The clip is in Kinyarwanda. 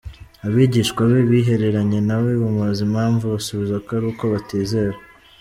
Abigishwa be bihereranye na we bamubaza impamvu, abasubiza ko ari uko batizera.